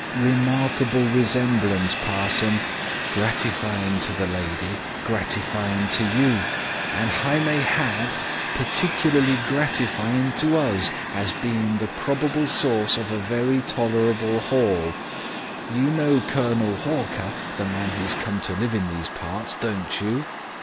'Remarkable resemblance, parson. Gratifyin' to the lady. Gratifyin' to you. And hi may hadd, particlery gratifyin' to us, as bein' the probable source of a very tolerable haul. You know Colonel Hawker, the man who's come to live in these parts, don't you?'